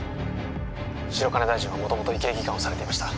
白金大臣は元々医系技官をされていました